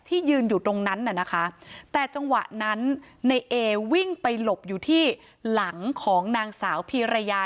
ยืนอยู่ตรงนั้นน่ะนะคะแต่จังหวะนั้นในเอวิ่งไปหลบอยู่ที่หลังของนางสาวพีรยา